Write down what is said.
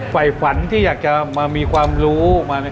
ฝ่ายฝันที่อยากจะมามีความรู้